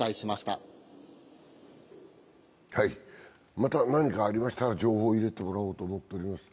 また何かありましたら情報を入れてもらおうと思っています。